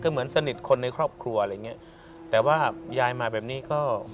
เหมือนสนิทคนในครอบครัวอะไรอย่างเงี้ยแต่ว่ายายมาแบบนี้ก็